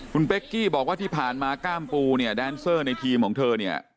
คุณเป๊กกี้บอกว่าที่ผ่านมาก้ามปูเนี่ยแดนเซอร์ในทีมของเธอเนี่ย